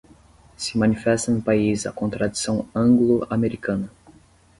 se manifesta no país a contradição anglo-americana